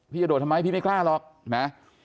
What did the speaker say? จะโดดทำไมพี่ไม่กล้าหรอกนะ